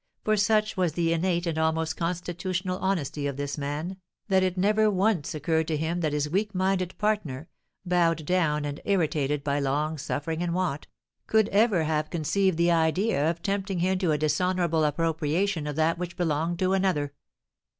For such was the innate and almost constitutional honesty of this man, that it never once occurred to him that his weak minded partner, bowed down and irritated by long suffering and want, could ever have conceived the idea of tempting him to a dishonourable appropriation of that which belonged to another.